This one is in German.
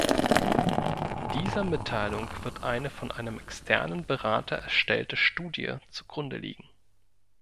Dieser Mitteilung wird eine von einem externen Berater erstellte Studie zugrunde liegen.